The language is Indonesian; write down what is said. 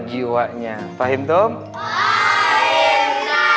jiwanya paham dong